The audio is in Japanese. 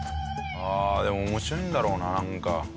ああでも面白いんだろうなあなんか。